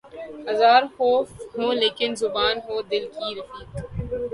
ہزار خوف ہو لیکن زباں ہو دل کی رفیق